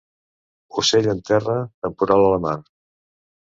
Ocell en terra, temporal a la mar.